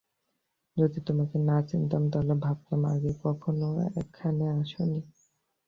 যদি তোমাকে না চিনতাম, তাহলে ভাবতাম আগে কখনো এখানে আসোনি।